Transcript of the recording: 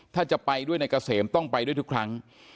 ถ้าจะไปด้วยนายเกษมต้องไปด้วยทุกครั้ง